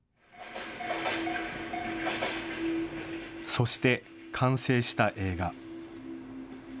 そして完成した映画。